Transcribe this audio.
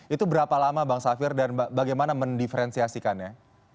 itu berapa lama bang safir dan bagaimana mendiferensiasikannya